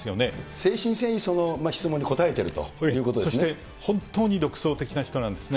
誠心誠意質問に答えているとそして本当に独創的な人なんですね。